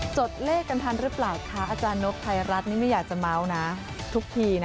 จดเลขกันทันหรือเปล่าคะอาจารย์นกไทยรัฐนี่ไม่อยากจะเมาส์นะทุกทีนะ